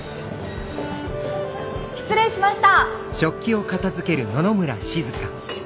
失礼しました！